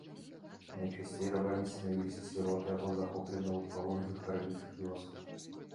Найчасцей рабамі станавіліся сіроты або захопленыя ў палон жыхары іншых вёсак.